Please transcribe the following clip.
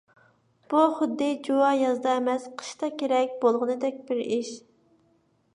بۇ خۇددى جۇۋا يازدا ئەمەس، قىشتا كېرەك بولغىندەك بىر ئىش.